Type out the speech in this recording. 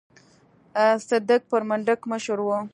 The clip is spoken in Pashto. صدک پر منډک مشر و.